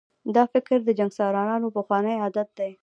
دا فکر د جنګسالارانو پخوانی عادت دی.